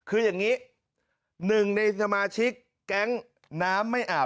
คืออย่างนี้หนึ่งในสมาชิกแก๊งน้ำไม่อาบ